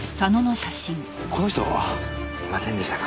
この人見ませんでしたか？